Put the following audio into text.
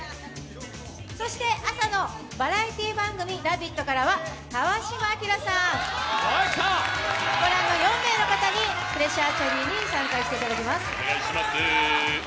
そして朝のバラエティー番組「ラヴィット！」からは川島明さん、御覧の４名の方にプレッシャーアーチェリーに挑戦していただきます。